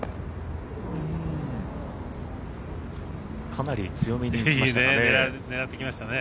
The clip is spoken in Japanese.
かなり強めに打ちましたかね。